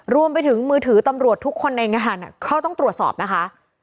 รวมไปถึงมือถือตำรวจทุกคนในงานเขาต้องตรวจสอบนะคะ